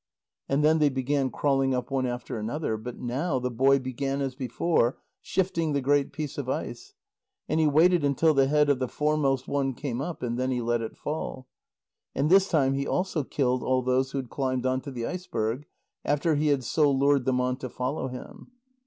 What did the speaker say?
And then they began crawling up one after another. But now the boy began as before, shifting the great piece of ice. And he waited until the head of the foremost one came up, and then he let it fall. And this time he also killed all those who had climbed on to the iceberg, after he had so lured them on to follow him.